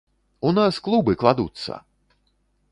У нас клубы кладуцца!